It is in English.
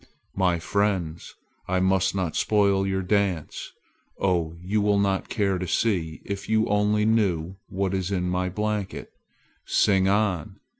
"My friends, I must not spoil your dance. Oh, you would not care to see if you only knew what is in my blanket. Sing on!